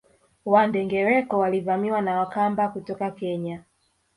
Wandengereko walivamiwa na Wakamba kutoka Kenya